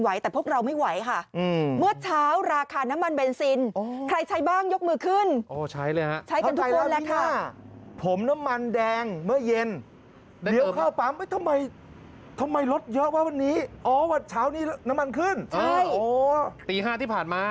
ไว้ทำไมรถเยอะว่าวันนี้อ๋อว่าค่าวนี้อันมั่งขึ้นใช่โอ๋ตีห้าที่ผ่านมา